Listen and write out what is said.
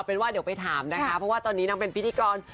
เป็นว่าเดี๋ยวไปถามนะคะเพราะว่าตอนนี้นางเป็นพิธีกร